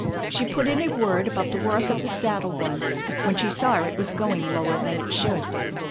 She put in a word about the worth of the saddle once when she saw it was going lower than it should.